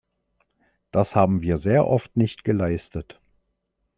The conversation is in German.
Das haben wir sehr oft nicht geleistet.